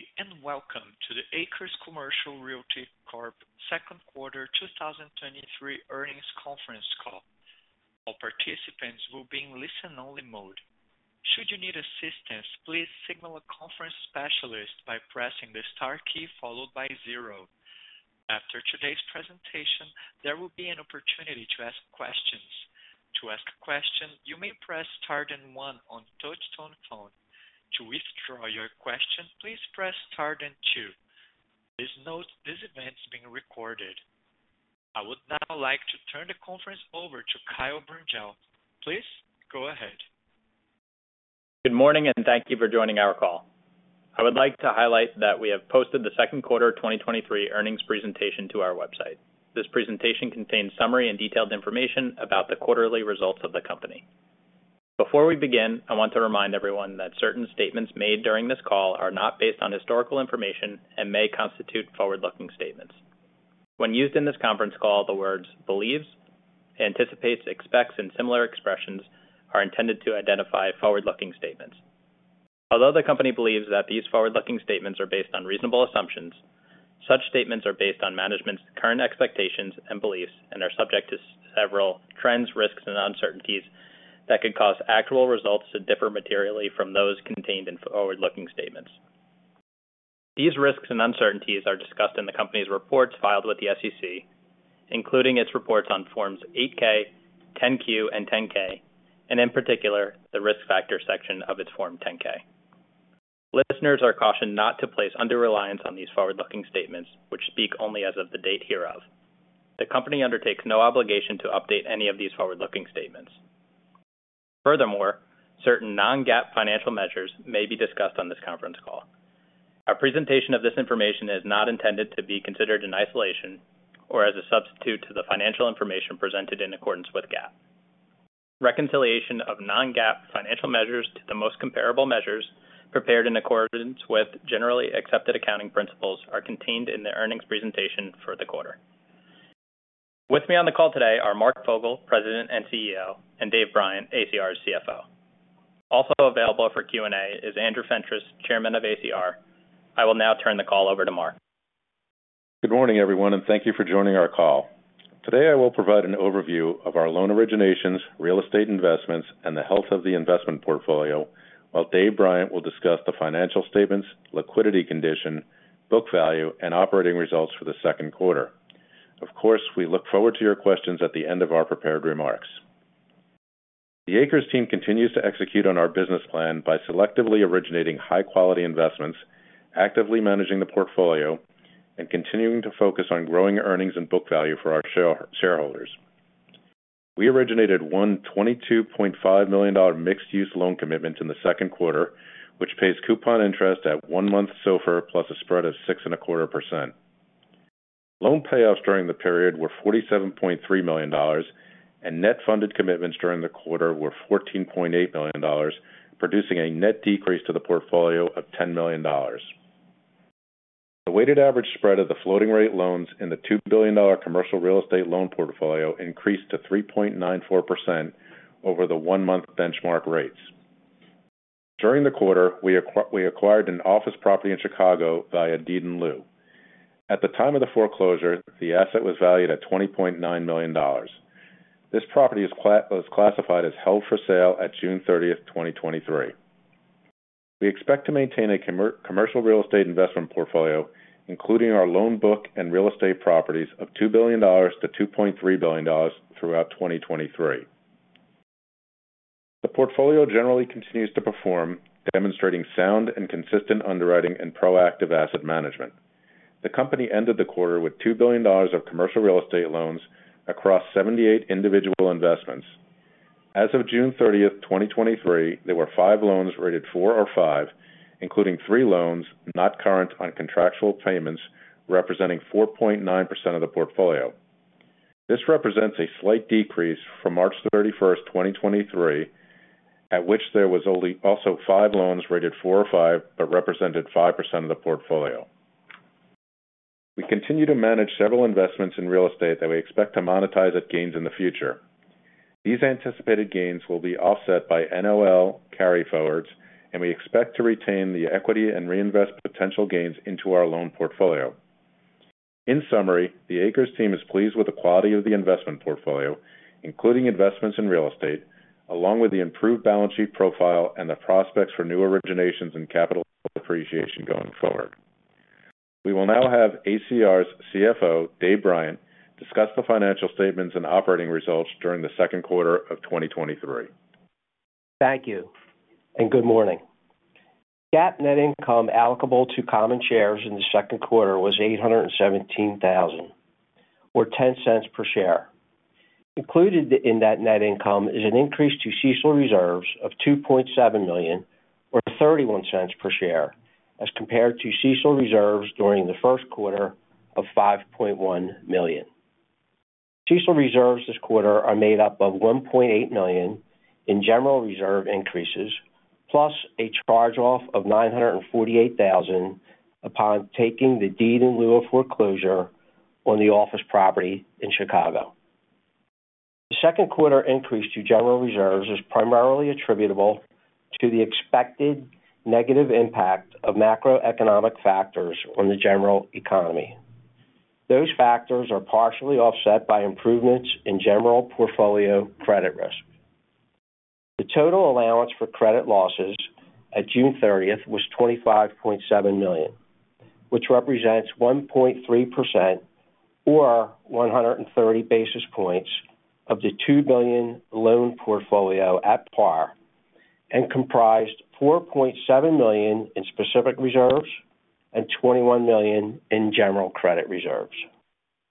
Good day, and welcome to the ACRES Commercial Realty Corp Second Quarter 2023 Earnings Conference Call. All participants will be in listen-only mode. Should you need assistance, please signal a conference specialist by pressing the star key followed by zero. After today's presentation, there will be an opportunity to ask questions. To ask a question, you may press star then one on touchtone phone. To withdraw your question, please press star then two. Please note this event is being recorded. I would now like to turn the conference over to Kyle Brengel. Please go ahead. Good morning. Thank you for joining our call. I would like to highlight that we have posted the second quarter 2023 earnings presentation to our website. This presentation contains summary and detailed information about the quarterly results of the company. Before we begin, I want to remind everyone that certain statements made during this call are not based on historical information and may constitute forward-looking statements. When used in this conference call, the words believes, anticipates, expects, and similar expressions are intended to identify forward-looking statements. Although the company believes that these forward-looking statements are based on reasonable assumptions, such statements are based on management's current expectations and beliefs and are subject to several trends, risks, and uncertainties that could cause actual results to differ materially from those contained in forward-looking statements. These risks and uncertainties are discussed in the company's reports filed with the SEC, including its reports on Forms 8-K, 10-Q, and 10-K, and in particular, the risk factors section of its Form 10-K. Listeners are cautioned not to place undue reliance on these forward-looking statements, which speak only as of the date hereof. The company undertakes no obligation to update any of these forward-looking statements. Furthermore, certain non-GAAP financial measures may be discussed on this conference call. Our presentation of this information is not intended to be considered in isolation or as a substitute to the financial information presented in accordance with GAAP. Reconciliation of non-GAAP financial measures to the most comparable measures prepared in accordance with generally accepted accounting principles are contained in the earnings presentation for the quarter. With me on the call today are Mark Fogel, President and CEO, and Dave Bryant, ACR's CFO. Also available for Q&A is Andrew Fentress, Chairman of ACR. I will now turn the call over to Mark. Good morning, everyone. Thank you for joining our call. Today, I will provide an overview of our loan originations, real estate investments, and the health of the investment portfolio, while Dave Bryant will discuss the financial statements, liquidity condition, book value, and operating results for the second quarter. Of course, we look forward to your questions at the end of our prepared remarks. The ACRES team continues to execute on our business plan by selectively originating high-quality investments, actively managing the portfolio, and continuing to focus on growing earnings and book value for our shareholders. We originated a $122.5 million mixed-use loan commitment in the second quarter, which pays coupon interest at one month SOFR, plus a spread of 6.25%. Loan payoffs during the period were $47.3 million, and net funded commitments during the quarter were $14.8 million, producing a net decrease to the portfolio of $10 million. The weighted average spread of the floating-rate loans in the $2 billion commercial real estate loan portfolio increased to 3.94% over the one-month benchmark rates. During the quarter, we acquired an office property in Chicago via Deed in Lieu. At the time of the foreclosure, the asset was valued at $20.9 million. This property was classified as held for sale at June 30th, 2023. We expect to maintain a commercial real estate investment portfolio, including our loan book and real estate properties of $2 billion-$2.3 billion throughout 2023. The portfolio generally continues to perform, demonstrating sound and consistent underwriting and proactive asset management. The company ended the quarter with $2 billion of commercial real estate loans across 78 individual investments. As of June 30th, 2023, there were five loans rated four or five, including three loans not current on contractual payments, representing 4.9% of the portfolio. This represents a slight decrease from March 31st, 2023, at which there was also five loans rated four or five, but represented 5% of the portfolio. We continue to manage several investments in real estate that we expect to monetize at gains in the future. These anticipated gains will be offset by NOL carryforwards. We expect to retain the equity and reinvest potential gains into our loan portfolio. In summary, the ACRES team is pleased with the quality of the investment portfolio, including investments in real estate, along with the improved balance sheet profile and the prospects for new originations and capital appreciation going forward. We will now have ACR's CFO, Dave Bryant, discuss the financial statements and operating results during the second quarter of 2023. Thank you. Good morning. GAAP net income applicable to common shares in the second quarter was $817,000, or $0.10 per share. Included in that net income is an increase to CECL reserves of $2.7 million or $0.31 per share, as compared to CECL reserves during the first quarter of $5.1 million. CECL reserves this quarter are made up of $1.8 million in general reserve increases, plus a charge-off of $948,000 upon taking the Deed in Lieu of foreclosure on the office property in Chicago. The second quarter increase to general reserves is primarily attributable to the expected negative impact of macroeconomic factors on the general economy. Those factors are partially offset by improvements in general portfolio credit risk. The total allowance for credit losses at June 30th was $25.7 million, which represents 1.3% or 130 basis points of the $2 billion loan portfolio at Par and comprised $4.7 million in specific reserves and $21 million in general credit reserves.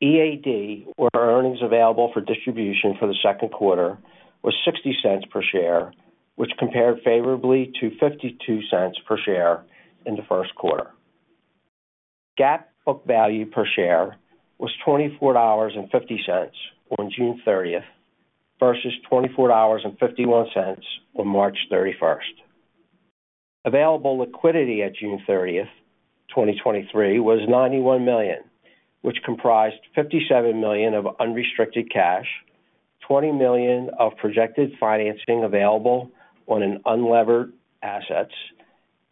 EAD, or earnings available for distribution for the second quarter, was $0.60 per share, which compared favorably to $0.52 per share in the first quarter. GAAP book value per share was $24.50 on June 30th, versus $24.51 on March 31st. Available liquidity at June 30th, 2023, was $91 million, which comprised $57 million of unrestricted cash, $20 million of projected financing available on an unlevered assets,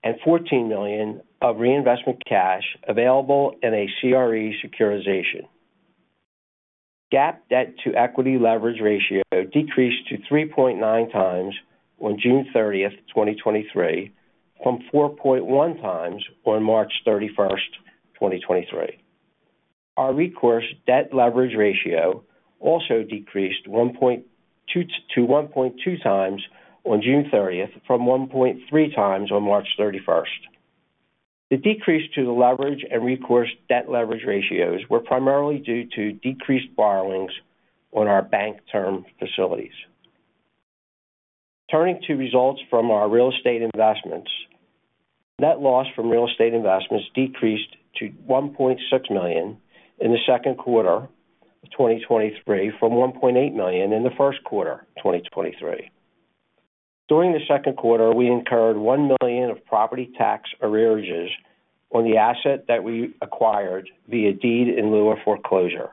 and $14 million of reinvestment cash available in a CRE securitization. GAAP debt to equity leverage ratio decreased to 3.9 times on June 30, 2023, from 4.1 times on March 31st, 2023. Our recourse debt leverage ratio also decreased to 1.2 times on June 30th, from 1.3 times on March 31st. The decrease to the leverage and recourse debt leverage ratios were primarily due to decreased borrowings on our bank term facilities. Turning to results from our real estate investments. Net loss from real estate investments decreased to $1.6 million in the second quarter of 2023, from $1.8 million in the first quarter of 2023. During the second quarter, we incurred $1 million of property tax arrearages on the asset that we acquired via Deed in Lieu of foreclosure.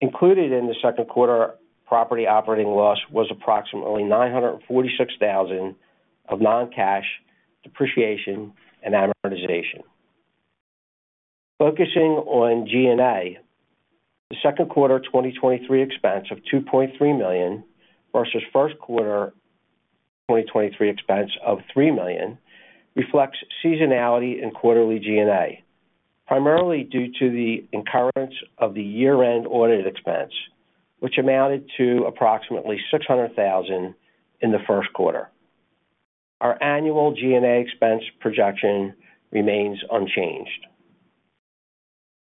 Included in the second quarter, property operating loss was approximately $946,000 of non-cash depreciation and amortization. Focusing on G&A, the second quarter 2023 expense of $2.3 million, versus first quarter 2023 expense of $3 million, reflects seasonality and quarterly G&A, primarily due to the incurrence of the year-end audited expense, which amounted to approximately $600,000 in the first quarter. Our annual G&A expense projection remains unchanged.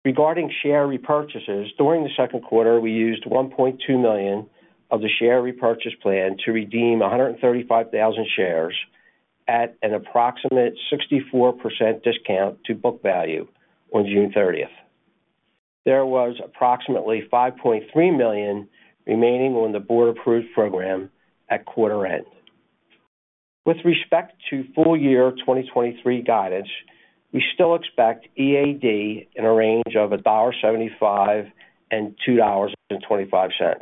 Regarding share repurchases, during the second quarter, we used $1.2 million of the share repurchase plan to redeem 135,000 shares at an approximate 64% discount to book value on June 30th. There was approximately $5.3 million remaining on the board-approved program at quarter end. With respect to full year 2023 guidance, we still expect EAD in a range of $1.75-$2.25,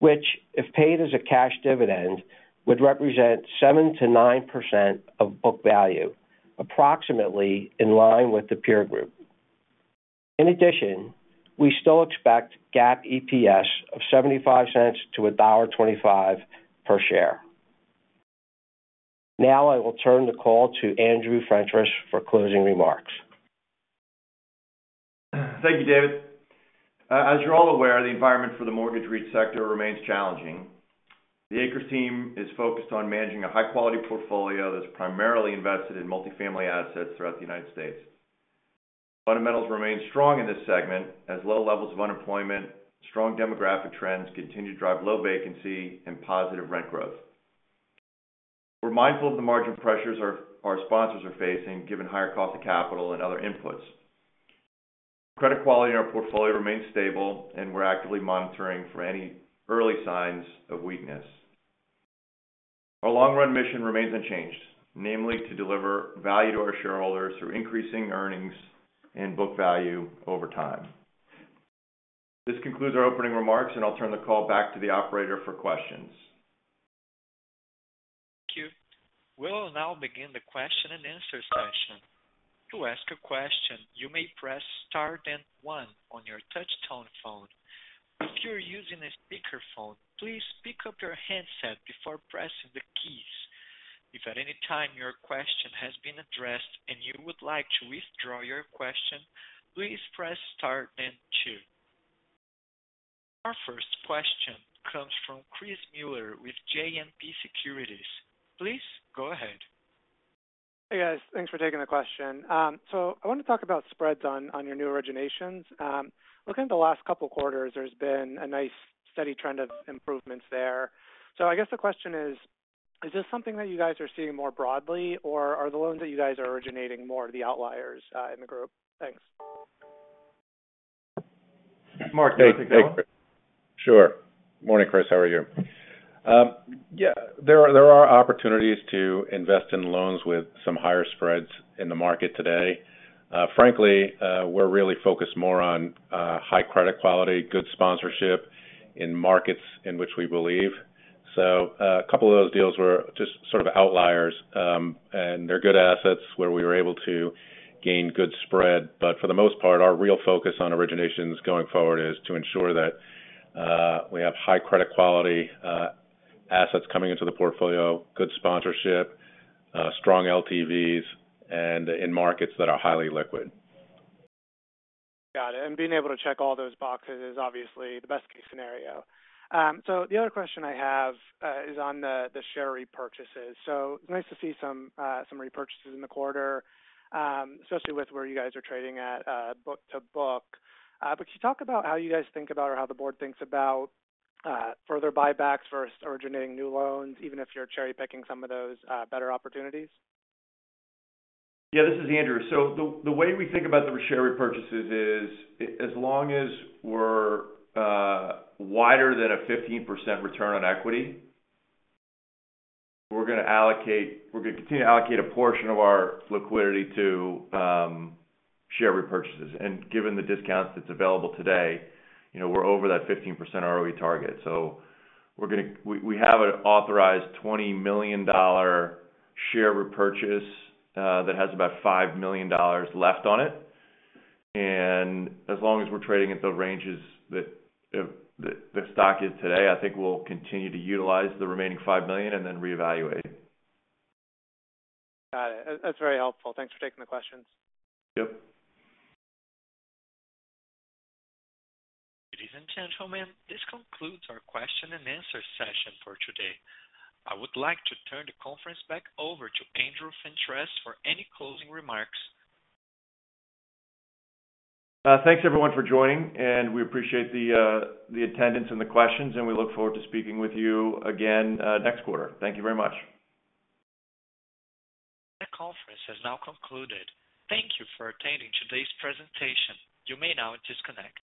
which, if paid as a cash dividend, would represent 7%-9% of book value, approximately in line with the peer group. In addition, we still expect GAAP EPS of $0.75-$1.25 per share. I will turn the call to Andrew Fentress for closing remarks. Thank you, David. As you're all aware, the environment for the mortgage REIT sector remains challenging. The ACRES team is focused on managing a high-quality portfolio that's primarily invested in multifamily assets throughout the United States. Fundamentals remain strong in this segment as low levels of unemployment, strong demographic trends continue to drive low vacancy and positive rent growth. We're mindful of the margin pressures our sponsors are facing, given higher cost of capital and other inputs. Credit quality in our portfolio remains stable, and we're actively monitoring for any early signs of weakness. Our long-run mission remains unchanged, namely, to deliver value to our shareholders through increasing earnings and book value over time. This concludes our opening remarks, and I'll turn the call back to the operator for questions. Thank you. We'll now begin the question-and-answer session. To ask a question, you may press star then one on your touch tone phone. If you're using a speakerphone, please pick up your handset before pressing the keys. If at any time your question has been addressed and you would like to withdraw your question, please press star then two. Our first question comes from Chris Muller with JMP Securities. Please go ahead. Hey, guys. Thanks for taking the question. I want to talk about spreads on, on your new originations. Looking at the last couple of quarters, there's been a nice steady trend of improvements there. I guess the question is: Is this something that you guys are seeing more broadly, or are the loans that you guys are originating more the outliers in the group? Thanks. Mark, want to take that? Sure. Morning, Chris, how are you? Yeah, there are opportunities to invest in loans with some higher spreads in the market today. Frankly, we're really focused more on high credit quality, good sponsorship in markets in which we believe. A couple of those deals were just sort of outliers. They're good assets where we were able to gain good spread. For the most part, our real focus on originations going forward is to ensure that we have high credit quality, assets coming into the portfolio, good sponsorship, strong LTVs, and in markets that are highly liquid. Got it. Being able to check all those boxes is obviously the best case scenario. The other question I have, is on the, the share repurchases. It's nice to see some, some repurchases in the quarter, especially with where you guys are trading at, book to book. Could you talk about how you guys think about or how the board thinks about, further buybacks versus originating new loans, even if you're cherry-picking some of those, better opportunities? Yeah, this is Andrew. The, the way we think about the share repurchases is, as long as we're wider than a 15% return on equity, we're gonna continue to allocate a portion of our liquidity to share repurchases. Given the discounts that's available today, you know, we're over that 15% ROE target. We have an authorized $20 million share repurchase that has about $5 million left on it. As long as we're trading at the ranges that the, the stock is today, I think we'll continue to utilize the remaining $5 million and then reevaluate. Got it. That's very helpful. Thanks for taking the questions. Yep. Ladies and gentlemen, this concludes our question-and-answer session for today. I would like to turn the conference back over to Andrew Fentress for any closing remarks. Thanks, everyone, for joining, and we appreciate the attendance and the questions, and we look forward to speaking with you again next quarter. Thank you very much. The conference has now concluded. Thank you for attending today's presentation. You may now disconnect.